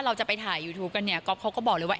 เราจะไปถ่ายยูทูปกันเนี่ยก๊อฟเขาก็บอกเลยว่า